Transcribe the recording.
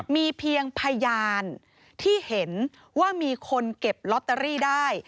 มีเพียงพยานที่เห็นว่ามีคนเก็บลอตเตอรี่ได้